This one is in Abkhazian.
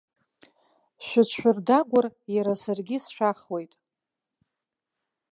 Шәыҽшәырдагәар, иара саргьы сшәахуеит.